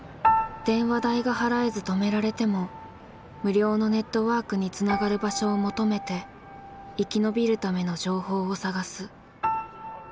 電話代が払えず止められても無料のネットワークにつながる場所を求めて生き延びるための情報を探す。